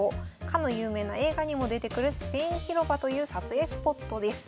かの有名な映画にも出てくるスペイン広場という撮影スポットです。